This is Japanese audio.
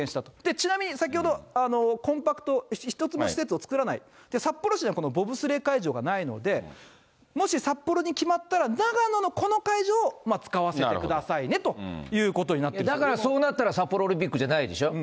ちなみに、先ほど、コンパクト、１つも施設を作らないって、札幌市、このボブスレー会場がないので、もし、札幌に決まったら、長野のこの会場を使わせてくださいねっていうことになってるんでだからそうなったら札幌オリンピックじゃないでしょ。